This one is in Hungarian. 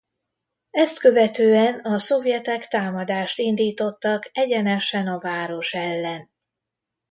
Ezt követően a szovjetek támadást indítottak egyenesen a város ellen.